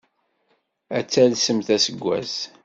Ad talsemt aseggas!